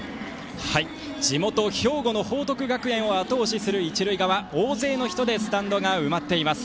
地元・兵庫の報徳学園をあと押しする一塁側、大勢の人でスタンドが埋まっています。